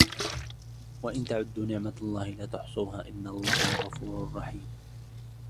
وَإِنْ تَعُدُّوا نِعْمَةَ اللَّهِ لَا تُحْصُوهَا إِنَّ اللَّهَ لَغَفُورٌ رَحِيمٌ